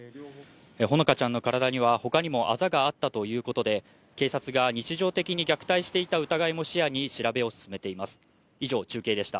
ほのかちゃんの体には、ほかにもあざがあったということで、警察が日常的に虐待していた疑いも視野に、調べを進めています。